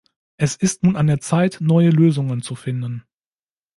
Es ist nun an der Zeit, neue Lösungen zu finden.